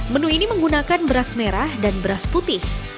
menu ini menggunakan beras merah dan beras putih